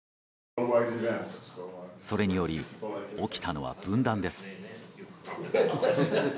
それにより起きたのは分断です。